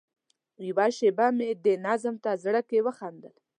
یوه شېبه مې دې نظم ته زړه کې وخندل.